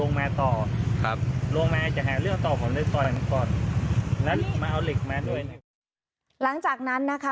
งั้นมาเอาเหล็กมาด้วยหลังจากนั้นนะคะ